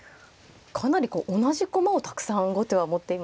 かなり同じ駒をたくさん後手は持っていますね。